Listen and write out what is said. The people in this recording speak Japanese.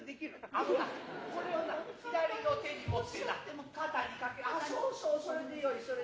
あのなこれをな左の手に持ってな肩に掛けそうそうそれでよいそれでよい。